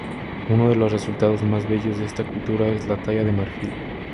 Uno de los resultados más bellos de esta cultura es la talla del marfil.